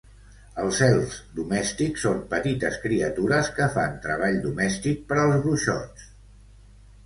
Els elfs domèstics són petites criatures que fan treball domèstic per als bruixots.